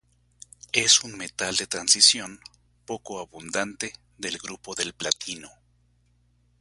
Es un metal de transición, poco abundante, del grupo del platino.